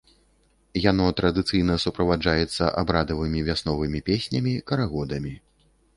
Яно традыцыйна суправаджаецца абрадавымі вясновымі песнямі, карагодамі.